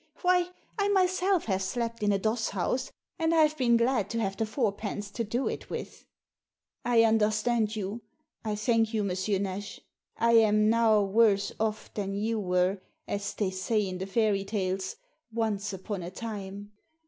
Why, I myself have slept in a doss house, and I've been glad to have the fourpence to do it with." Digitized by VjOOQIC THE ASSASSIN 185 " I understand you ; I thank you, M. Nash. I am now worse off than you were, as they say in the fairy tales, once upon a time."